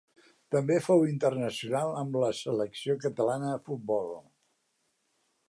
També fou internacional amb la selecció catalana de futbol.